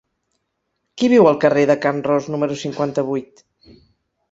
Qui viu al carrer de Can Ros número cinquanta-vuit?